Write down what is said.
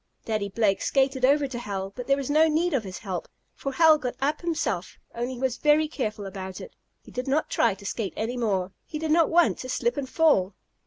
Daddy Blake skated over to Hal, but there was no need of his help. For Hal got up himself, only he was very careful about it. He did not try to skate any more. He did not want to slip and fall.